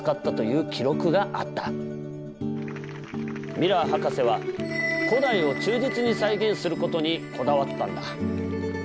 ミラー博士は古代を忠実に再現することにこだわったんだ。